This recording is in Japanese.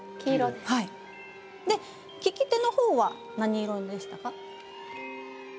で利き手の方は何色でしたか？